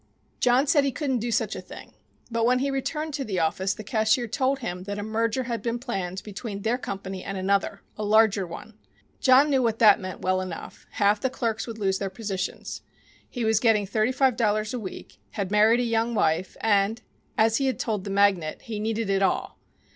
John said he couldn't do such a thing, but when he returned to the office the cashier told him that a merger had been planned between their company and another a larger one. John knew what that meant well enough half the clerks would lose their positions. He was getting thirty five dollars a week, had married a young wife, and, as he had told the magnate, he "needed it all."